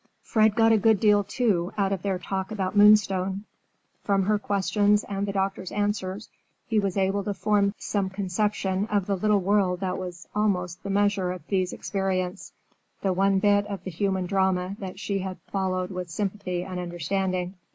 Fred got a good deal, too, out of their talk about Moonstone. From her questions and the doctor's answers he was able to form some conception of the little world that was almost the measure of Thea's experience, the one bit of the human drama that she had followed with sympathy and understanding.